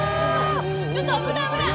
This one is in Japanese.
ちょっと危ない危ない！